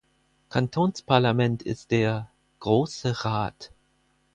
Kantonsparlament ist der "Grosse Rat".